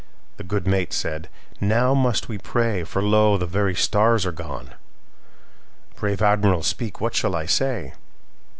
The good mate said: "Now must we pray, For lo! the very stars are gone. Brave Admiral, speak, what shall I say?"